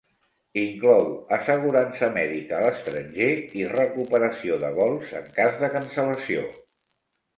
Inclou assegurança mèdica a l'estranger, i recuperació de vols en cas de cancel·lació.